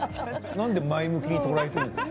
何、前向きに捉えているんですか。